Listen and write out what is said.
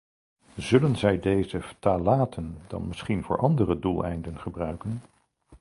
Zullen zij deze ftalaten dan misschien voor andere doeleinden gebruiken?